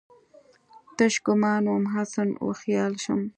تش ګومان وم، حسن وخیال شوم